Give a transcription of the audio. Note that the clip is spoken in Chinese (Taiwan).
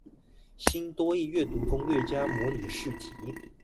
新多益閱讀攻略加模擬試題